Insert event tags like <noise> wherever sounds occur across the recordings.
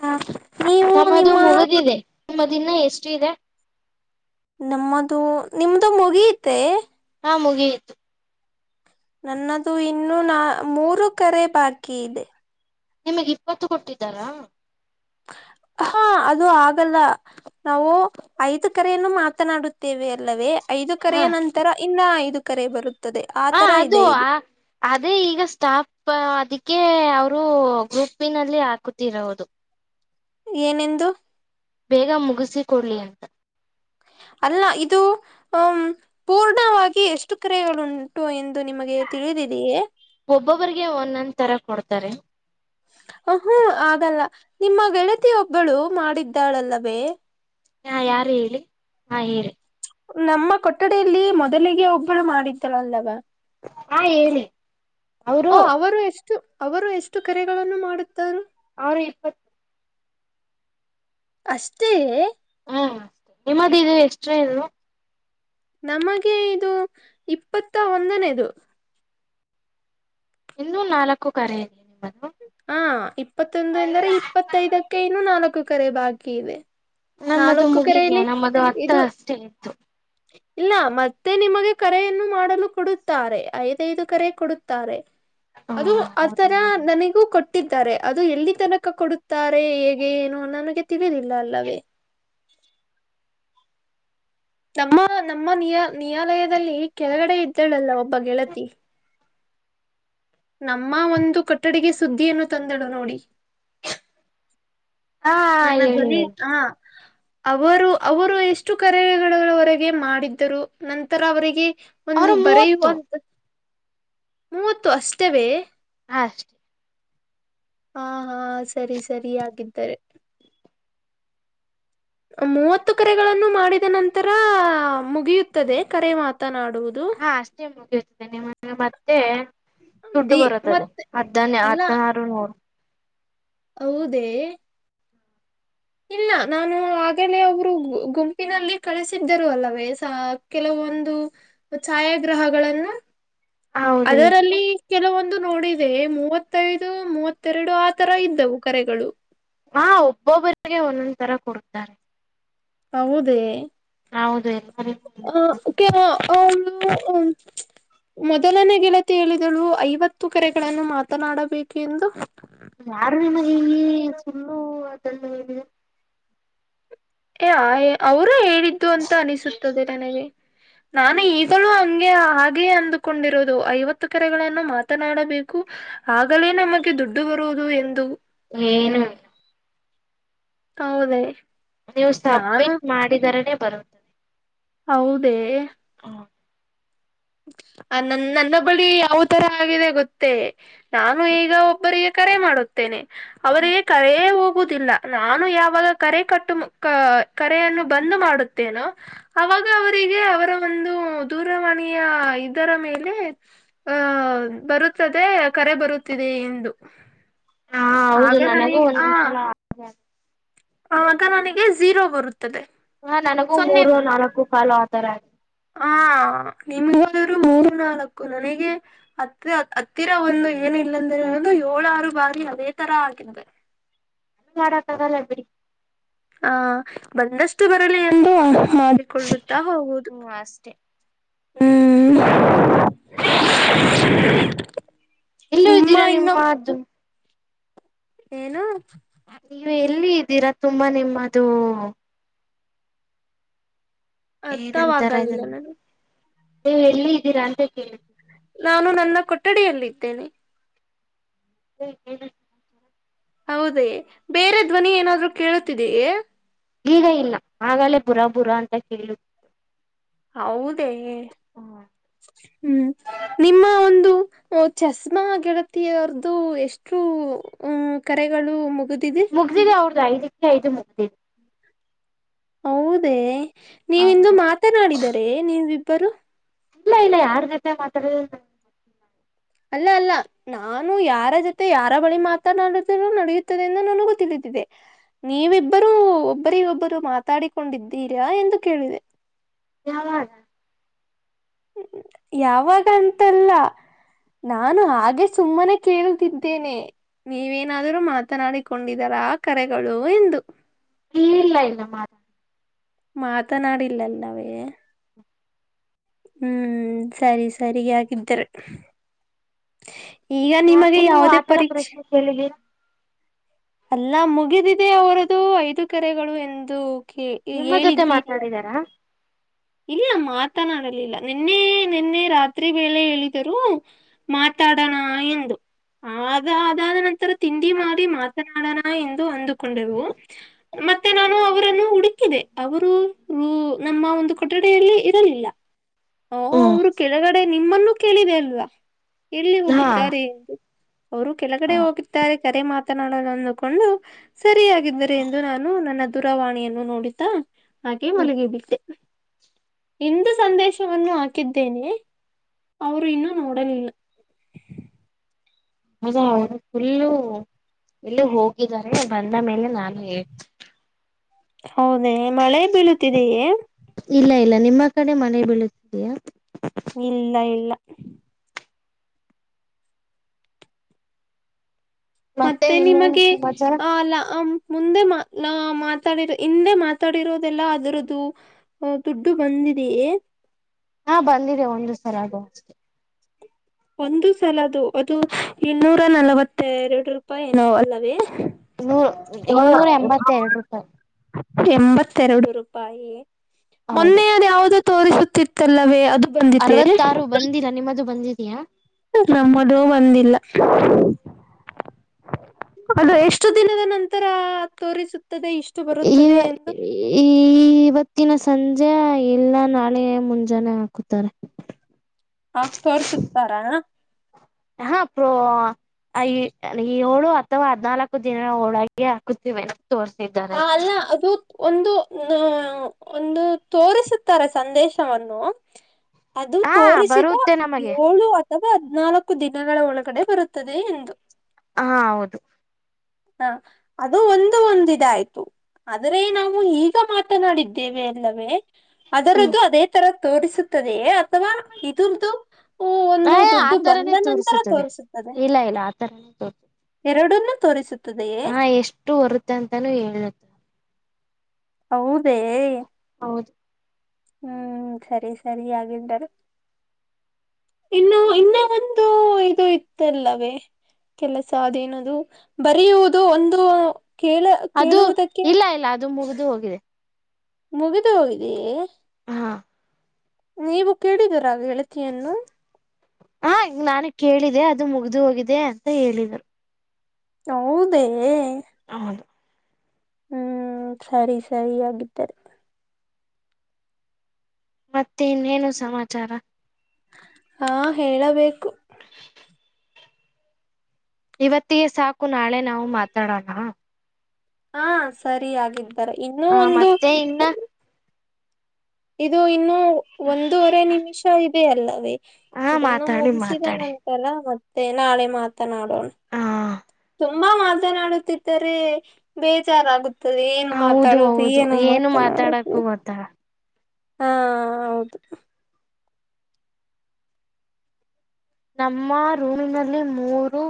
ಹ ನೀವು ನಿಮ್ಮ ನಿಮ್ಮ ದಿನ ಎಷ್ಟು ಇದೆ. ನಮ್ಮದು ನಿಮ್ದ ಮುಗಿಯತೆ. ಹಾ ಮುಗಿಯಿತು. ನನ್ನದು ಇನ್ನು ನಾ ಮೂರು ಕರೆ ಬಾಕಿ ಇದೆ. ನಿಮಗ್ ಇಪ್ಪತ್ತು ಕೊಟ್ಟಿದ್ದಾರಾ. ಹಾ ಹ ಅದು ಆಗಲ್ಲ ನಾವು ಐದು ಕರೆಯನ್ನು ಮಾತನಾಡುತ್ತೇವೆ ಅಲ್ಲವೇ ಐದು ಹಾ ಕರೆಯ ನಂತರ ಇನ್ನ ಐದು ಕರೆ ಬರು ಆ ಅದು ಆ ಅದೇ ಈಗ ಸ್ಟಾಫ್ ಅದಕ್ಕೆ ಅವರು ಗ್ರೂಪ್ಪಿನಲ್ಲಿ ಹಾಕತಿರವದು. ಏನೆಂದು. ಬೇಗ ಮುಗಿಸಿ ಕೊಡ್ಲಿ ಅಂತ. ಅಲ್ಲಾ ಇದು. ಹಾಂ ಪೂರ್ಣವಾಗಿ ಎಷ್ಟು ಕರೆಗಳುಂಟು ಎಂದು ನಿಮಗೆ ತಿಳಿದಿದೆಯೇ. ಒಬ್ಬೊಬ್ಬರಿಗೆ ಒಂದೊಂದ್ ತರ ಕೊಡ್ತಾರೆ. ಹುಹು ಆಗಲ್ಲ ನಿಮ್ಮ ಗೆಳತಿಯ ಒಬ್ಬಳು ಮಾಡಿದ್ದಾಳಲ್ಲವೇ. ಹಾ ಯಾರು ಹೇಳಿ ಹಾ ಹೇಳಿ. ನಮ್ಮ ಕೊಠಡಲ್ಲಿ ಮೊದಲಿಗೆ ಒಬ್ಬಳು ಮಾಡಿದ್ದಳಲ್ಲವ. ಹಾ ಹೇಳಿ ಓ ಅವರು ಎಸ್ ತು ಅವರು ಎಷ್ಟು ಕೆರೆಗಳನ್ನು ಮಾಡುತ್ತಾರೊ. ಅವರು ಇಪ್ಪತ್ತು. ಅಷ್ಟೇಯೆ. ಹು ನಿಮ್ಮದು ಈಗ ಎಷ್ಟ್ರ ಇದು. ನಮಗೆ ಇದು ಇಪ್ಪತ್ತ ಒಂದನೇದು. ಇನ್ನು ನಾಲ್ಕು ಕರೆ ಬಂದ್ವು. ಹಾ ಇಪ್ಪತ್ತೊಂದು ಎಂದರೆ ಇಪ್ಪತ್ತೈದಕ್ಕೆ ಇನ್ನು ನಾಲ್ಕು ಕರೆ ಬಾಕಿ ಇವೆ. ನಮ್ಮದು ಮುಗಿದು ನಮ್ಮದು ಹತ್ತ ಇದು ಅಷ್ಟೇ ಇತ್ತು. ಇಲ್ಲ ಮತ್ತೆ ನಿಮಗೆ ಕರೆಯನ್ನು ಮಾಡಲು ಕೊಡುತ್ತಾರೆ ಐದೈದು ಕರೆ ಕೊಡುತ್ತಾರೆ. ಹ ಅದು ಆತರಾ ಹೌದಾ ನನಗೂ ಕೊಟ್ ಟ್ಟಿದ್ದಾರೆ ಅದು ಎಲ್ಲಿ ತನಕ ಕೊಡುತ್ತಾರೆ. ಹೇಗೆ ಏನು ನನಗೆ ತಿಳಿದಿಲ್ಲ ಅಲ್ಲವೇ ನಮ್ಮ ನಮ್ಮ ನಿಯ ನಿನ್ಯಾಯಾಲಯದಲ್ಲಿ ಕೆಳಗಡೆ ಇದ್ದಳಲ್ಲ ಒಬ್ಬ ಗೆಳತಿ ನಮ್ಮ ಒಂದು ಕೊಟ್ಟಡಿಗೆ ಸುದ್ದಿಯನ್ನು ತಂದಳು ನೋಡಿ. ಹಾ ನನ್ನ ಹೇಳಿ ಧ್ವನಿ ಹೇಳಿ ಹಾ ಅವರು ಅವರು ಎಷ್ಟು ಕರೆಗಳವರೆಗೆ ಮಾಡಿದ್ದರು ನಂತರ ಅವರಿಗೆ ಒಂದು ಅವರು ಮೂವತ್ತು. ಬರೆಯುವಂತ ಮೂವತ್ತು ಅಷ್ಟವೇ ಹಾ ಚ್ ಹಾ ಹಾ ಸರಿ ಸರಿ ಆಗಿದ್ದರೆ. ಮೂವತ್ತು ಕರೆಗಳನ್ನು ಮಾಡಿದ ನಂತರ ಮುಗಿಯುತ್ತದೆ ಕರೆ ಮಾತನಾಡುವುದು. ಹಾ ಅಷ್ಟೇ ಮುಗಿಯುತ್ತೆ ನಿಮ್ಮ ನ ಮತ್ತೆ. ದುಡ್ಡು ದಿ ಬರುತ್ತದೆ ಮತ್ತೆ ಹದ್ದನ್ನ ಅಲ್ಲ ಹದ್ನಾರು ನೂರು. ಹೌದೇ ಇಲ್ಲ ನಾನು ಆಗೆಲೇ ಒಬ್ರು ಗುಂಪಿನಲ್ಲಿ ಕಳಿಸಿದ್ದರು ಅಲ್ಲವೇ ಸ ಕೆಲವೊಂದು. ಛಾಯಾಗ್ರಹಗಳನ್ನು ಹೌದು ಹೇಳಿ ಅದರಲ್ಲಿ ಕೆಲವೊಂದು ನೋಡಿದೆ ಮೂವತ್ತೈದು ಮೂವತ್ತೆರಡು ಆ ತರ ಇದ್ದವು ಕರೆಗಳು ಹಾ ಒಬ್ಬೊಬ್ಬರಿಗೆ ಒಂದೊಂದ್ ತರ ಕೊಡ್ತಾರೆ ಹೌದೇ ಹೌದು ಎಲ್ಲರಿಗೂ ಆ ಓಕೆ ನ ಅಳು ಹು ಮೊದಲನೇ ಗೆಳತಿ ಹೇಳಿದಳು ಐವತ್ತು ಕೆರೆಗಳನ್ನು ಮಾತನಾಡಬೇಕು ಎಂದು ಯಾರು ನಿಮ್ಮ ಸುಳ್ಳು ಅದೆಲ್ಲ ಹೇಳಿದೆ ಅವರು ಹೇಳಿದ್ದು ಅಂತ ಅನಿಸುತ್ತದೆ ನನಗೆ ನಾನು ಈಗಲೂ ಹಂಗೆ ಹಾಗೆ ಅಂದುಕೊಂಡಿರೋದು ಐವತ್ತು ಕೆರೆಗಳನ್ನು ಮಾತನಾಡಬೇಕು ಆಗಲೇ ನಮಗೆ ದುಡ್ಡು ಬರುದು ಎಂದು ಏನು ಇಲ್ಲ ಹೌದ ನೀವು ಸಬ್ಮಿಟ್ ಮಾಡಿದರನೇ ಬರು ಹೌದೇ ಹಾ ಆ ನ ನನ್ನ ಬಳಿ ಯಾವ ತರ ಆಗಿದೆ ಗೊತ್ತೇ ನಾನು ಈಗ ಒಬ್ಬರಿಗೆ ಕರೆ ಮಾಡುತ್ತೇನೆ ಅವರಿಗೆ ಕರೇ ಹೋಗುದಿಲ್ಲ ನಾನು ಯಾವಾಗ ಕರೆ ಕಟ್ಟು ಕರೆಯನ್ನು ಬಂದು್ ಮಾಡುತ್ತೇನೋ ಅವಾಗ ಅವರಿಗೆ ಅವರ ಒಂದು ದೂರವಾಣಿಯ ಇದರ ಮೇಲೆ ಆಹ ಬರುತ್ತದೆ ಕರೆ ಬರುತ್ತಿದೆ ಇಂದು ಹಾ ಆಗ ಹೌದು ನಾನ ನನಗೂ ಈಗ ಆ ಒಂದೊಂದ್ಸಲ ಹಾಗೆ ಆಗ ನನಗೆ ಜಝೀರೋ ಬರುತ್ತದೆ ಹಾ ನನಗೂ ಮೂರು ನಾಲ್ಕು ಕಾಲು ಆತರ ಆ ಹಾ ನಿಮ್ ಹೋದ್ರು ಮೂರು ನಾಲ್ಕು ನನಗೆ ಹತ್ತ ಹತ್ತಿರ ಒಂದು ಏನಿಲ್ಲಂದ್ರೆ ಅನ್ನದು ಏಳಾರು ಬಾರಿ ಅದೇ ತರ ಆಗಿದೆ ತ ಲಬಿ ಹ ಬಂದಷ್ಟು ಬರಲಿ ಎಂದು ಮಾಡ ಕೊಡತ್ತಾ ಹೋಗುದು ಹ್ಮ್ ಅಷ್ಟೇ ಹ್ಮ್ <unintelligible> ಇಲ್ಲೂ ನಿಮ್ಮ ಇದ್ದೀರಾ ನಿಮ್ ಇನ್ನೊಬ್ ಏನು ನೀವು ಎಲ್ಲಿ ಇದ್ದೀರಾ ತುಂಬಾ ನಿಮ್ಮದು ಏನ್ಂತರ ಅರ್ಥವಾಗಲಿಲ್ಲ ಇದಲ್ಲ ನನಗೆ ನೀವು ಎಲ್ಲಿ ಇದ್ದೀರಾ ಅಂತ ಕೇಳ ನಾನು ನನ್ನ ಕೊಠಡಿಯಲ್ಲಿದ್ದೇನೆ <unintelligible> ಹೌದೇ ಬೇರೆ ಧ್ವನಿ ಏನಾದ್ರು ಕೇಳುತ್ತಿದೀ ಈಗ ಇಲ್ಲ ಆಗಲೇ ಬುರ ಬುರ ಅಂತ ಕೇಳು ಹೌದೇ ಹ್ಮ್ ನಿಮ್ಮ ಒಂದು ಚಸ್ಮಾ ಗೆಳತಿಯರ್ದು ಎಷ್ಟು ಅ ಕರೆಗಳು ಮುಗಿದಿದೆ ಮುಗ್ದಿದೆ ಅವ್ರದ ಐದಕ್ಕೆ ಐದು ಮುಗ್ದಿದೆ ಹೌದೇ ನೀವಿಂದು ಹೌದು ಮಾತನಾಡಿದರೆ ನೀವೀಬ್ಬರು ಇಲ್ಲ ಇಲ್ಲ ಯಾರ್ ಜೊತೆ ಮಾತಾಡ ಅಲ್ಲ ಅಲ್ಲ ನಾನು ಯಾರ ಜೊತೆ ಯಾರ ಬಳಿ ಮಾತನಾಡುದರೂ ನಡೆಯುತ್ತದೆ ಎಂದು ನನಗೂ ತಿಳಿದಿದೆ ನೀವಿಬ್ಬರೂ ಒಬ್ಬರಿ ಒಬ್ಬರು ಮಾತಾಡಿಕೊಂಡಿದ್ದೀರಾ ಎಂದು ಕೇಳಿದೆ ಯಾವ ಯಾವಾಗ ಅಂತ ಅಲ್ಲ ನಾನು ಹಾಗೆ ಸುಮ್ಮನೆ ಕೇಳುತ್ತಿದ್ದೇನೆ ನೀವೇನಾದರೂ ಮಾತಾಡಿಕೊಂಡಿದ್ದೀರಾ ಕರೆಗಳು ಎಂದು ಇ ಇಲ್ಲ ಇಲ್ಲ ಮಾರ ಮಾತನಾಡಿಲ್ಲವೇ ಹ್ಮ್ ಸರಿ ಸರಿ ಹಗಿದ್ದ್ರ ಯಾಕೆ ನೀವು ಯಾವುದೇ ಆತರ ಪರೀಕ್ಷೆ ಪ್ರಶ್ನೆ ಕೇಳಿದ್ದೀರಾ ಎಲ್ಲ ಮುಗಿದಿದೆ ಐದು ಕರೆಗಳು ಎಂದು ನಿಮ್ಮ ಜೊತೆ ಹೇಳಿದ್ದೀರ ಅಲ್ವಾ ಮಾತಾಡಿದಾರಾ ಹೇಳಿದರು ಇಲ್ಲ ಮಾತನಾಡಿಲ್ಲ ನಿನ್ನೆ ನಿನ್ನೆ ರಾತ್ರಿ ವೇಳೆ ಹೇಳಿದರೂ ಮಾತಾಡಲ್ಲ ಎಂದು ಅದ ಅದಾದ ನಂತರ ತಿಂಡಿ ಮಾಡಿ ಮಾತನಾಡೋಣ ಎಂದು ಅಂದುಕೊಂಡೆವು ಮತ್ತೆ ನಾವು ಅವರನ್ನು ಹುಡುಕಿದೆ ಅವರು ನಮ್ಮನ್ನು ಕೊಠಡಿಯಲ್ಲಿ ಇರಲಿಲ್ಲ ಹ್ಮ್ ಅವರು ಕೆಳಗಡೆ ನಿಮ್ಮನ್ನು ಕೇಳಿದರಲ್ವಾ ಎಲ್ಲಿ ಹಾ ಹೋಗಿದ್ದಾರೆ ಎಂದು ಅವರು ಕೆಳಗಡೆ ಹೋಗಿದ್ದಾರೆ ಕರೆ ಮಾತನಾಡನ್ನುಕೊಂಡು ಸರಿಯಾಗಿದ್ದರೆ ಎಂದು ನಾನು ನನ್ನ ದುರವಾಣಿ ನೋಡುತ್ತಾ ಹಾಗೆ ಮಲಗಿದ್ದೆ ಇಂದು ಸಂದೇಶವನ್ನು ಹಾಕಿದ್ದೇನೆ ಅವರು ಇನ್ನೂ ನೋಡಲಿಲ್ಲ ಹೌದಾ ಅವರು ಫುಲ್ಲು ಎಲ್ಲ ಹೋಗಿದಿದ್ದಾರೆ ಬಂದ ಮೇಲೆ ನಾನು ಹೌದ ಮಳೆ ಬೀಳತಿದೇ ಇಲ್ಲ ಇಲ್ಲ ನಿಮ್ಮ ಕಡೆ ಮನೆ ಬೀಳುತ್ತಿದಯಾ ಇಲ್ಲ ಇಲ್ಲ ಮತ್ತೆ ಇನ್ನೇನು ನಿಮಗೆ ಸಮಾಚಾರ ಅ ಮುಂದೆ ಮಾ ಮಾತಾಡಿರ ಹಿಂದೆ ಮಾತಾಡಿರೋದೆಲ್ಲಾ ಅದರದ್ದು ಅ ದುಡ್ಡು ಬಂದಿದೆಯೇ ಹಾ ಬಂದಿದೆ ಒಂದ ಸರ ಆಗುವ ಅಷ್ಟೆ ಒಂದು ಸಲ ಅದು ಅದು ಇನ್ನೂರ ನಲವತ್ತೆರಡು ರೂಪಾಯಿ ಏನೋ ಅಲ್ಲವೇ ನೂ ಇನ್ನೂರ ಎಂಬತ್ತೆರಡು ರೂಪಾಯಿ ಎಂಬತ್ತೆರಡು ರೂಪಾಯಿ ಹೌದು ಮೊನ್ನೆಯದ ಯಾವ್ದು ತೋರಿಸುತ್ತಿತ್ತಲ್ಲವೇ ಅದು ಬಂದಿದೆ ಅರವತ್ತಾರು ಬಂದಿಲ್ಲ ನಿಮ್ಮದು ಬಂದಿದಿಯಾ ನಮ್ಮದು ಬಂದಿಲ್ಲ ಅದು ಎಷ್ಟು ದಿನದ ನಂತರ ತೋರಿಸುತ್ತದೆ ಇಷ್ ಈ ಈ ಸಂಜೆ ಇಲ್ಲ ನಾಳೆ ಮುಂಜಾನೆ ಆಗುತ್ತಾರೆ ಹಾಗ್ ತೋರುಸುತ್ತಾರ ಹ ಅಪ್ರೋ ಏಳು ಅಥವಾ ಹದ್ನಾಲ್ಕು ದಿನ ಹೋಳಾಗ ಹಾಕುತ್ತಿವೆ ತೋರ್ಸಿದ್ದಾರೆ ಆ ಅಲ್ಲ ಅದು ಒಂದು ನ ಒಂದು ತೋರಿಸುತ್ತಾರೆ ಸಂದೇಶವನ್ನು ಅದು ಹಾ ತೋರಿಸಿದ ಬರುತ್ತೆ ನಮಗೆ ಏಳು ಅಥವಾ ಹದ್ನಾಲ್ಕು ದಿನಗಳ ಒಳಗಡೆ ಬರುತ್ತದೆ ಎಂದು ಹ ಹೌದು ಹ ಅದು ಒಂದು ಒಂದುಇದಾಯ್ತು ಆದರೆ ನಾವು ಈಗ ಮಾತನಾಡಿದ್ದೇವೆ ಅಲ್ಲವೇ ಹ್ಮ್ ಅದರದ್ದು ಅದೇ ತರ ತೋರಿಸುತ್ತದೆಯೇ ಅಥವಾ ಇದುಂತು ಹ ಆ ಒಂದು ದುಡ್ಡು ಬಂದ ಆತರನೇ ನಂತರ ತೋರಿಸುತ್ತದೆ ಇಲ್ಲ ಇಲ್ಲ ಆತರನೇ ತೋರ್ ಎರಡನ್ನ ತೋರಿಸುತ್ತೆ ಹಾ ಎಷ್ಟು ಹೊರುತ್ತ ಅಂತಾನೂ ಹೇಳುತ್ತ ಹೌದೇ ಹೌದು ಹ್ಮ್ ಸರಿ ಸರಿ ಹಾಗಿದ್ದರೆ ಇನ್ನು ಇನ್ನ ಒಂದು ಇದು ಇತ್ತಲ್ಲವೇ ಕೆಲಸ ಅದೇನದು ಬರೆಯುವುದು ಒಂದು ಕೇಲ ಅದು ಇಲ್ಲ ಇಲ್ಲ ಅದು ಮುಗಿದು ಹೋಗಿದೆ ಮುಗಿದು ಹೋಗಿದೆಯೇ ಹಾ ನೀವು ಕೇಳಿದೀರಾ ಗೆಳತಿಯನ್ನು ಹಾ ಈ ನಾನು ಕೇಳಿದೆ ಅದು ಮುಗ್ದು ಹೋಗಿದೆ ಅಂತ ಹೇಳಿದ್ರು ಹೌದೇ ಆ ಹೌದು ಹ್ಮ್ ಸರಿ ಸರಿ ಆಗಿದ್ದಿದ್ದಾರೆ ಮತ್ತೆ ಇನ್ನೇನು ಸಮಾಚಾರ ಹಾ ಹೇಳಬೇಕು ಇವತ್ತಿಗೆ ಸಾಕು ನಾಳೆ ನಾವು ಮಾತಾಡೋಣ ಹಾ ಸರಿ ಆಗಿದ್ದಾರೆ ಇನ್ನೂ ಒಂದು ಮತ್ತೆ ಇನ್ನ ಇದು ಇನ್ನು ಒಂದೂವರೆ ನಿಮಿಷ ಇದೆ ಅಲ್ಲವೇ ಹಾ ಇದನ್ನು ಮಾತಾಡಿ ಮುಗಿಸಿದ ಮಾತಾಡಿ ನಂತ ಲ್ಲ ಮತ್ತೆ ನಾಳೆ ಮಾತನಾಡೋಣ ಹ ತುಂಬಾ ಮಾತನಾಡುತ್ತಿದ್ದರೆ ಬೇಜಾರಾಗುತ್ತೆ ಏನ್ ಹೌದು ಮಾತಾಡೋದು ಏನು ಮಾತನಾಡುದು ತ್ತ ಹಾ ಹೌದು ನಮ್ಮ ರೂಮಿನಲ್ಲಿ ಮೂರು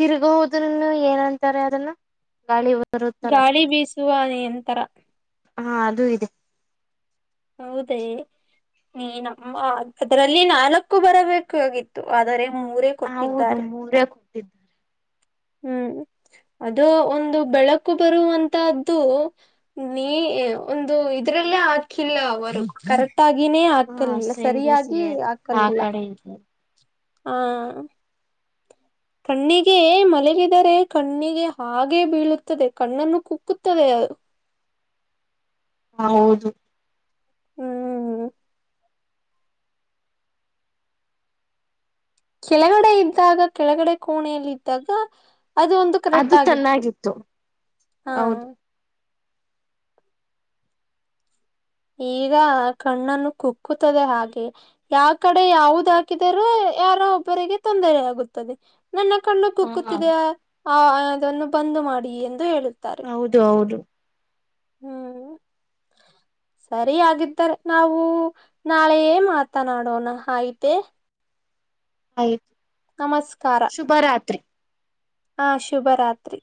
ತಿರ್ಗ ಹೋದ್ರನು ಏನಂತಾರೆ ಅದನ್ನು ಗಾಳಿ ಬರುತ್ತಲ್ಲ ಗಾಳಿ ಬೀಸುವ ಯಂತ್ರ ಹಾ ಅದು ಇದೆ ಹೌದೇ ನೀ ನಮ್ಮ ಅದರಲ್ಲಿ ನಾಲ್ಕು ಬರಬೇಕಾಗಿತ್ತು ಆದರೆ ಮೂರೇ ಕೊಟ್ಟಿದ್ದಾರೆ <unintelligible> ಹ ಹ್ಮ್ ಅದು ಒಂದು ಬೆಳಕು ಬರುವಂತದ್ದು ನೀ ಒಂದು ಇದ್ರಲ್ಲೇ ಹಾಕಿಲ್ಲ ಅವರು ಕರೆಕ್ ಕರೆಕ್ಟಾಗಿನೇ ಹಾ ಹಾಕಲಿಲ್ಲ ಸರಿಯಾಗಿ ಸೈಡಸೆ ಆ ಹಾಕಲಿಲ್ಲ ಕಡೆ ಇದೆ ಹಾ ಕಣ್ಣಿಗೆ ಮಲಗಿದರೆ ಕಣ್ಣಿಗೆ ಹಾಗೆ ಬೀಳುತ್ತದೆ ಕಣ್ಣನ್ನು ಕುಕ್ಕುತ್ತದೆ ಅದು ಹ ಹೌದು ಹ್ಮ್ ಕೆಳಗಡೆ ಇದ್ದಾಗ ಕೆಳಗಡೆ ಕೋಣೆಯೆಯಲ್ಲಿ ಇದ್ದಾಗ ಅದು ಒಂದು ಕರೆಕ್ಟ್ ಅದು ಆಗಿತ್ತು ಚೆನ್ನಾಗಿತ್ತು ಹಾ ಹೌದು ಈಗ ಕಣ್ಣನ್ನು ಕುಕ್ಕುತ್ತದೆ ಹಾಗೆ ಯಾವ ಕಡೆ ಯಾವದ ಹಾಕಿದರೂ ಯಾರ ಒಬ್ಬರಿಗೆ ತೊಂದರೆೆಯಗುತ್ತದೆ ನನ್ನ ಕಣ್ಣು ಹಾ ಕುಕ್ಕುತ್ತಿದೆಯ ಆ ಅದನ್ನು ಬಂದು ಮಾಡಿ ಎಂದು ಹೇಳುತ್ತಾ ಹೌದು ಹೌದು ಹ್ಮ್ ಸರಿಯಾಗಿದ್ದರೆ ನಾವು ನಾಳೆ ಮಾತಾಡೋಣ ಆಯಿತು ಆಯತು ನಮಸ್ಕಾರ ರಾತ್ರಿ ಹಾ ಶುಭರಾತ್ರಿ